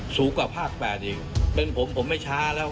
สนุนโดยน้ำดื่มสิง